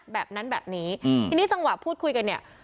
แบบนั้นแบบนี้ทีนี้จังหวะพูดคุยกันเนี่ย